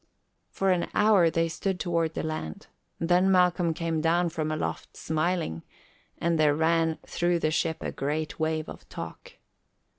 For an hour they stood toward the land, then Malcolm came down from aloft smiling, and there ran through the ship a great wave of talk.